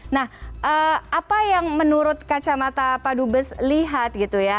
nah apa yang menurut kacamata pak dubes lihat